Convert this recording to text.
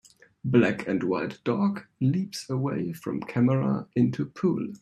Black and white dog leaps away from camera into pool.